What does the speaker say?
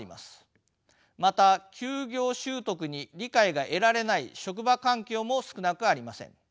また休業取得に理解が得られない職場環境も少なくありません。